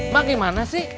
mak gimana sih